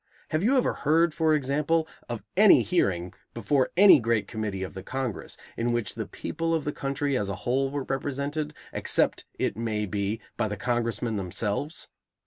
Have you ever heard, for example, of any hearing before any great committee of the Congress in which the people of the country as a whole were represented, except it may be by the Congressmen themselves?